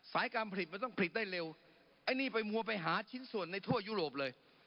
การผลิตมันต้องผลิตได้เร็วไอ้นี่ไปมัวไปหาชิ้นส่วนในทั่วยุโรปเลย